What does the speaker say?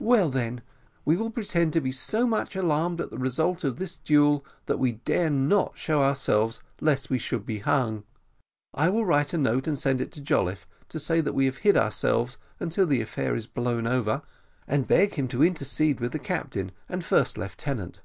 "Well, then we will pretend to be so much alarmed at the result of this duel, that we dare not show ourselves, lest we should be hung. I will write a note, and send it to Jolliffe, to say that we have hid ourselves until the affair is blown over, and beg him to intercede with the captain and first lieutenant.